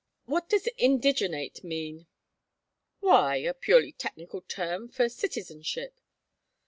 "What does indigenate mean?" "Why a purely technical term for citizenship."